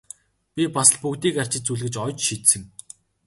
Би бас л бүгдийг арчиж зүлгэж оёж шидсэн!